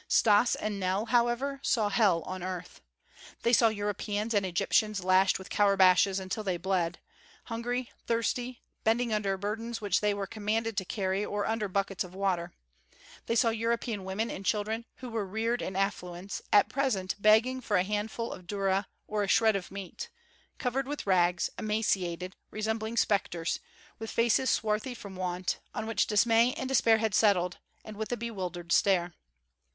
Stas and Nell, however, saw hell on earth. They saw Europeans and Egyptians lashed with courbashes until they bled; hungry, thirsty, bending under burdens which they were commanded to carry or under buckets of water. They saw European women and children, who were reared in affluence, at present begging for a handful of durra or a shred of meat; covered with rags, emaciated, resembling specters, with faces swarthy from want, on which dismay and despair had settled, and with a bewildered stare.